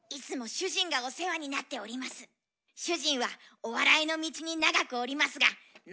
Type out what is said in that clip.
主人はお笑いの道に長くおりますがまだまだ道半ば。